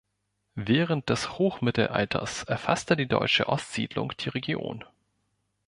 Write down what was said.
Während des Hochmittelalters erfasste die Deutsche Ostsiedlung die Region.